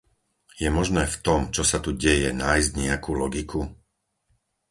Je možné v tom, čo sa tu deje, nájsť nejakú logiku?